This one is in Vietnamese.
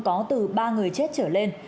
có từ ba người chết trở lên